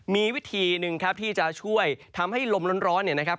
มีวิธีหนึ่งครับที่จะช่วยทำให้ลมร้อนเนี่ยนะครับ